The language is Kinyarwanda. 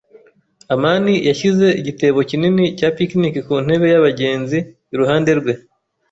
amani yashyize igitebo kinini cya picnic ku ntebe y'abagenzi iruhande rwe.